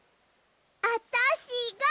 あたしが。